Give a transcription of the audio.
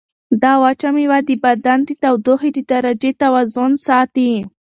دا وچه مېوه د بدن د تودوخې د درجې توازن ساتي.